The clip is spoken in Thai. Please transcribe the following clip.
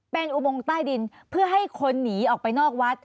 เป็นอุโมงใต้ดินเพื่อให้คนหนีออกไปนอกวัด